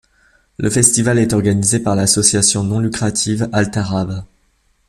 Le festival est organisé par l'association non lucrative Al Tarab.